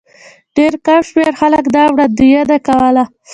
ډېر کم شمېر خلکو دا وړاندوینه کوله.